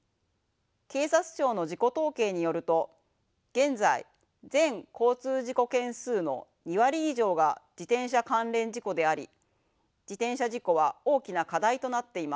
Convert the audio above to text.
警察庁の事故統計によると現在全交通事故件数の２割以上が自転車関連事故であり自転車事故は大きな課題となっています。